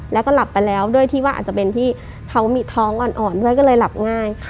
แล้วก็หลับไปแล้วด้วยที่ว่าอาจจะเป็นที่เขามีท้องอ่อนด้วยก็เลยหลับง่าย